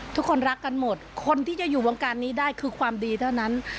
ทุกคนรักกันหมดคนที่จะอยู่วงการนี้ได้คือความดีเท่านั้น